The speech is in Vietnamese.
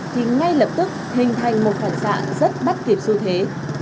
thì ngay lập tức hình thành một phản xạ rất bắt kịp xu thế